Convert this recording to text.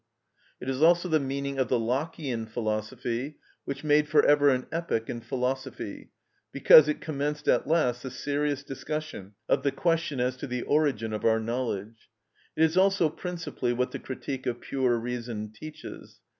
It is also the meaning of the Lockeian philosophy, which made for ever an epoch in philosophy, because it commenced at last the serious discussion of the question as to the origin of our knowledge. It is also principally what the "Critique of Pure Reason" teaches.